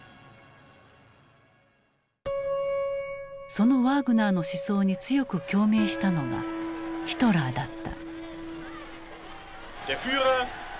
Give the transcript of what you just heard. そのワーグナーの思想に強く共鳴したのがヒトラーだった。